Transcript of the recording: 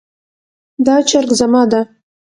دا چرګ زما ده